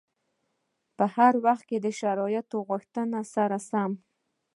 په هر وخت کې د شرایطو غوښتنو سره سم.